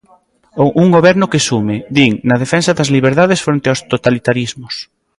Un goberno que sume, din, na defensa das liberdades fronte aos totalitarismos.